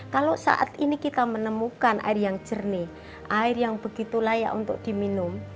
kalau saat ini kita menemukan air yang jernih air yang begitu layak untuk diminum